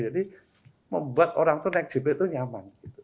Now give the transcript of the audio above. jadi membuat orang itu naik jpo itu nyaman